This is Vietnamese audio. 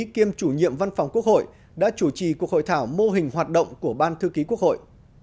kiêm chủ nhiệm văn phòng quốc hội đã chủ trì cuộc hội thảo mô hình hoạt động của ban thư ký quốc hội